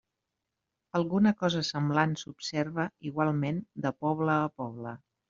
Alguna cosa semblant s'observa igualment de poble a poble.